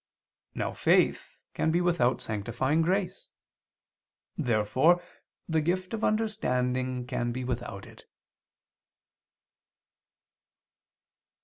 Now faith can be without sanctifying grace. Therefore the gift of understanding can be without it.